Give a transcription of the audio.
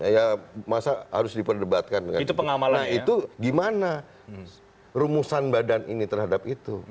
ya masa harus diperdebatkan dengan itu gimana rumusan badan ini terhadap itu